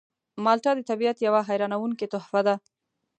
مالټه د طبیعت یوه حیرانوونکې تحفه ده.